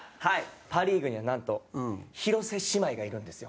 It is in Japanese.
パ・リーグには、なんと広瀬姉妹がいるんですよ。